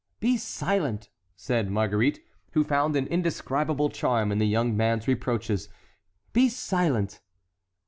"Be silent," said Marguerite, who found an indescribable charm in the young man's reproaches; "be silent."